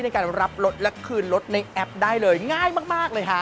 ในการรับรถและคืนรถในแอปได้เลยง่ายมากเลยค่ะ